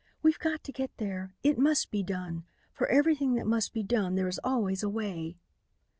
"We've got to get there. It must be done. For everything that must be done there is always a way."